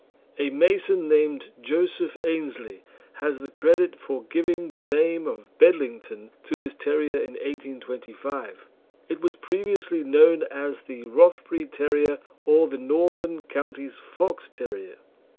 A mason named Joseph Aynsley has the credit for giving the name of "Bedlington" to this terrier in 1825. It was previously known as the Rothbury Terrier, or the Northern Counties Fox terrier.